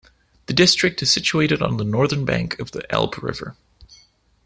The district is situated on the northern bank of the Elbe River.